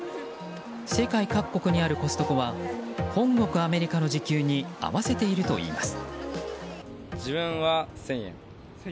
世界各国にあるコストコは本国アメリカの時給に合わせているといいます。